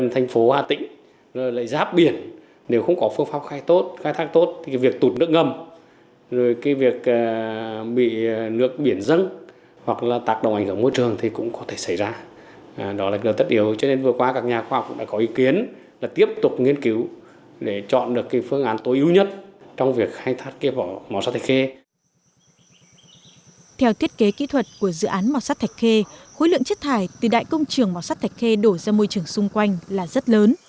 theo thiết kế kỹ thuật của dự án màu sắc thạch khê khối lượng chất thải từ đại công trường màu sắc thạch khê đổ ra môi trường xung quanh là rất lớn